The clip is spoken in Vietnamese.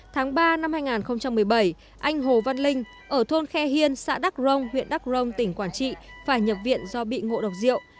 tháng ba năm hai nghìn một mươi bảy anh hồ văn linh ở thôn khe hiên xã đắc rông huyện đắc rông tỉnh quảng trị phải nhập viện do bị ngộ độc rượu